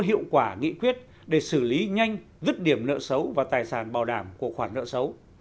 hiệu quả nghị quyết để xử lý nhanh dứt điểm nợ xấu và tài sản bảo đảm của khoản nợ xấu